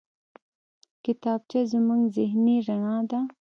کتابچه زموږ ذهني رڼا ده